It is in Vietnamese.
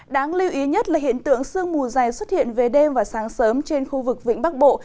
đáng lưu ý nhất là hiện tượng sương mù dày xuất hiện về đêm và sáng sớm trên khu vực vĩnh bắc bộ